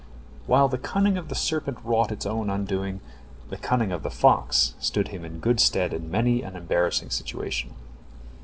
While the cunning of the serpent wrought its own undoing, the cunning of the fox stood him in good stead in many an embarrassing situation.